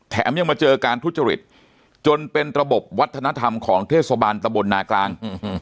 ยังมาเจอการทุจริตจนเป็นระบบวัฒนธรรมของเทศบาลตะบลนากลาง